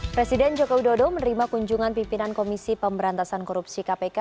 presiden joko widodo menerima kunjungan pimpinan komisi pemberantasan korupsi kpk